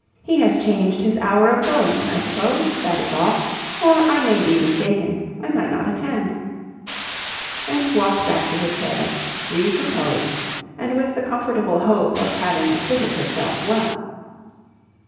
He has changed his hour of going, I suppose, that is all, or I may be mistaken, I might not attend;" and walked back to her chair, recomposed, and with the comfortable hope of having acquitted herself well.